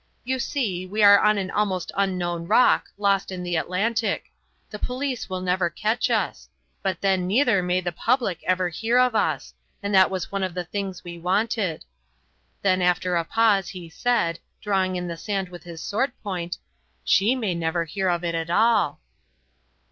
"You see, we are on an almost unknown rock, lost in the Atlantic. The police will never catch us; but then neither may the public ever hear of us; and that was one of the things we wanted." Then, after a pause, he said, drawing in the sand with his sword point: "She may never hear of it at all."